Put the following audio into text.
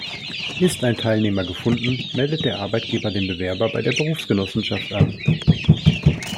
Ist ein Teilnehmer gefunden, meldet der Arbeitgeber den Bewerber bei der Berufsgenossenschaft an.